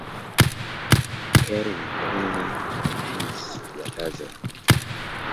Kerr would only acquiesce to a dozen.